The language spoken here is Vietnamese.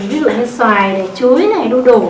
ví dụ như xoài chuối đu đủ